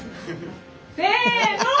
せの！